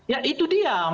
ya itu dia